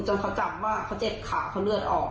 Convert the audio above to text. จนเค้าจับว่าเค้าเจ็บขาเค้าเลือดออก